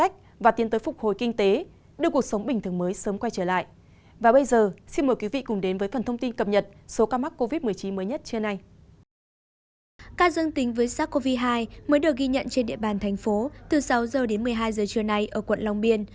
ca dương tính với sars cov hai mới được ghi nhận trên địa bàn thành phố từ sáu h đến một mươi hai giờ trưa nay ở quận long biên